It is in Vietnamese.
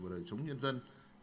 của đời sống nhân dân